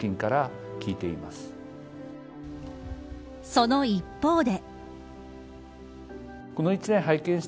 その一方で。